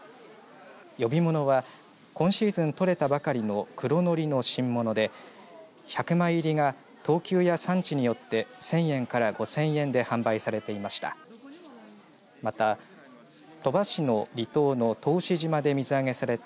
呼び物は今シーズン取れたばかりの黒のリの新物で１００枚入りが等級や産地によって１０００円から５０００円で販売されていました。